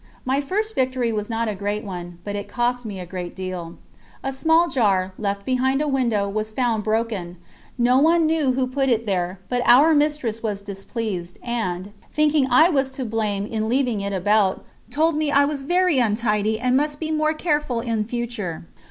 My first victory was not a great one, but it cost me a good deal. A small jar, left behind a window, was found broken. No one knew who had put it there, but our Mistress was displeased, and, thinking I was to blame in leaving it about, told me I was very untidy and must be more careful in future.